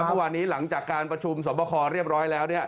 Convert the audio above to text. เมื่อวานนี้หลังจากการประชุมสอบคอเรียบร้อยแล้ว